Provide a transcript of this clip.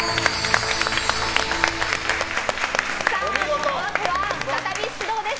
このあとは再び始動です。